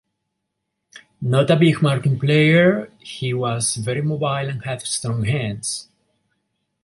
Not a big marking player, he was very mobile and had strong hands.